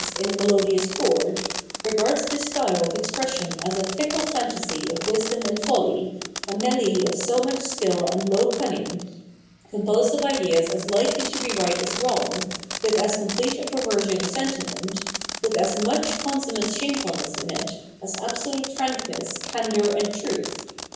in a melodious chord, regards this style of expression as a fickle fantasy of wisdom and folly, a melee of so much skill and low cunning, composed of ideas as hkely to be right as wrong, with as complete a perversion of sentiment, with as much consummate shamefulness in it, as abso lute frankness, candour, and truth.